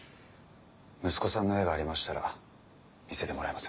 息子さんの絵がありましたら見せてもらえませんか？